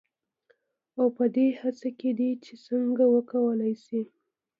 او پـه دې هـڅـه کې دي چـې څـنـګه وکـولـى شـي.